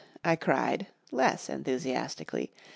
I cried less enthusiastically.